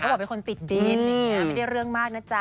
เขาบอกเป็นคนติดดินไม่ได้เรื่องมากนะจ๊ะ